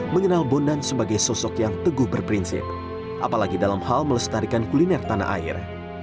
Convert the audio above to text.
mengenal bondan sebagai sosok yang teguh berprinsip apalagi dalam hal melestarikan kuliner tanah air